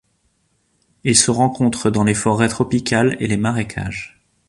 Il se rencontre dans les forêts tropicales et les marécages.